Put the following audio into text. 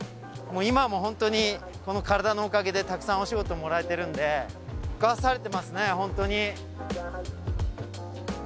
今はもうホントにこの体のおかげでたくさんお仕事もらえてるんで食わされてますねホントに。